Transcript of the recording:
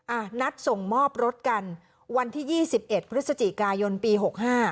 อ่ะนัดส่งมอบรถกันวันที่๒๑พฤศจิกายนปีหกห้า